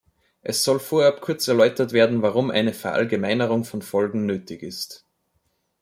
Es soll vorab kurz erläutert werden, warum eine Verallgemeinerung von Folgen nötig ist.